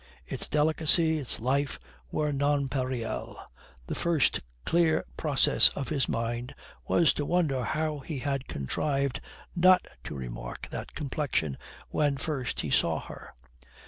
Its delicacy, its life, were nonpareil. The first clear process of his mind was to wonder how he had contrived not to remark that complexion when first he saw her.